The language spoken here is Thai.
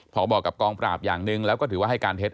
พอบอกกับกองปราบอย่างหนึ่งแล้วก็ถือว่าให้การเท็จ